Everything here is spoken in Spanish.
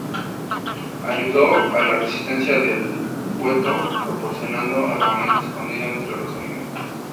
Ayudó a la resistencia del gueto proporcionando armamento escondido entre los alimentos.